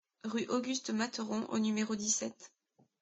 Rue Auguste Matheron au numéro dix-sept